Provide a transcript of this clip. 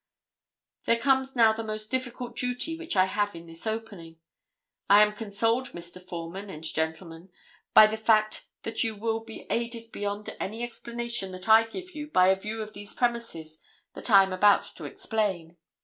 There comes now the most difficult duty which I have in this opening. I am consoled, Mr. Foreman and gentlemen, by the fact that you will be aided beyond any explanation that I give you by a view of these premises that I am about to explain.